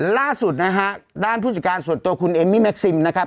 ล่าสุดนะฮะด้านผู้จัดการส่วนตัวคุณเอมมี่แม็กซิมนะครับ